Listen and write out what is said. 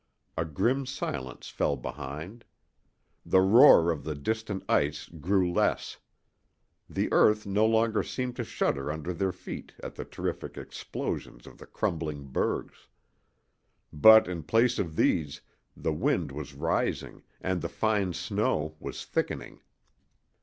A grim silence fell behind. The roar of the distant ice grew less. The earth no longer seemed to shudder under their feet at the terrific explosions of the crumbling bergs. But in place of these the wind was rising and the fine snow was thickening.